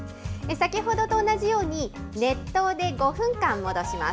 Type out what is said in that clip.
先ほどと同じように、熱湯で５分間戻します。